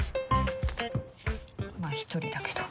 まあ一人だけど。